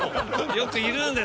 よくいるんです